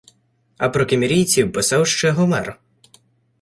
А про кімерійців писав ще Гомер -